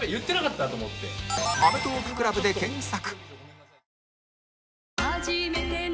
「アメトーーク ＣＬＵＢ」で検索